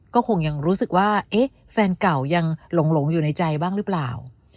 ก็คงยังรู้สึกว่าเอ๊ะแฟนเก่ายังหลงอยู่ในใจบ้างหรือเปล่า